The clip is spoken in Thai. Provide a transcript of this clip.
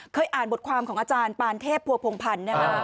อ่านบทความของอาจารย์ปานเทพภัวพงพันธ์นะคะ